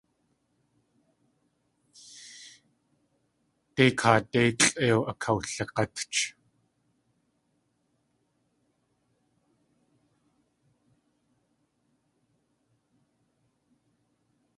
Dei kaadé lʼéiw akawlig̲átch.